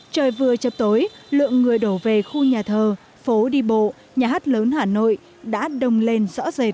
trời vừa chấp tối lượng người đổ về khu nhà thơ phố đi bộ nhà hát lớn hà nội đã đông lên rõ rệt